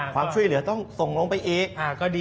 ความช่วยเหลือต้องส่งลงไปอีก